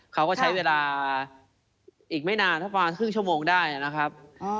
เขาก็ใช้เวลาอีกไม่นานถ้าประมาณครึ่งชั่วโมงได้นะครับ